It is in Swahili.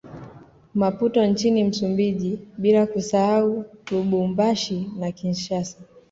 Maputo nchini Msumbiji bila kusahau Lubumbashi na Kinshasa